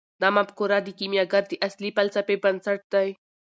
دا مفکوره د کیمیاګر د اصلي فلسفې بنسټ دی.